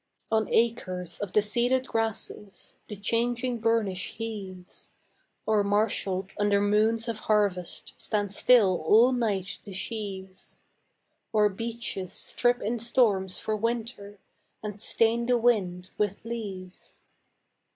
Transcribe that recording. On acres of the seeded grasses The changing burnish heaves; Or marshalled under moons of harvest Stand still all night the sheaves; Or beeches strip in storms for winter And stain the wind with leaves.